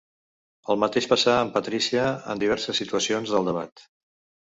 El mateix passà amb Patrícia en diverses situacions del debat.